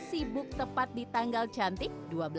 sibuk tepat di tanggal cantik dua belas dua belas dua ribu dua puluh